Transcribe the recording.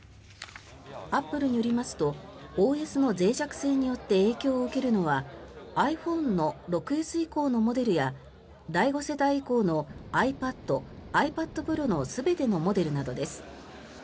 アップルによりますとＯＳのぜい弱性によって影響を受けるのはｉＰｈｏｎｅの６ｓ以降のモデルや第５世代以降のｉＰａｄ、ｉＰａｄＰｒｏの全てのモデルなどです。